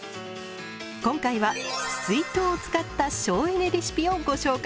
今回は水筒を使った省エネレシピをご紹介。